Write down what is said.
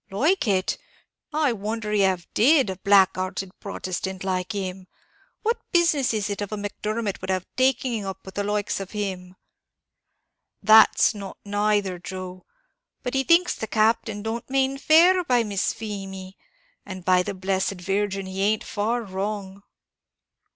"Like it! no, I wonder av he did; a black hearted Protestant like him. What business is it a Macdermot would have taking up with the likes of him?" "That's not it neither, Joe; but he thinks the Captain don't mane fair by Miss Feemy! and by the blessed Virgin, he ain't far wrong."